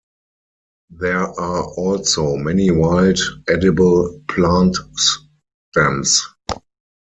There are also many wild edible plant stems.